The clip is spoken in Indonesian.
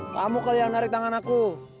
kamu kali yang narik tangan aku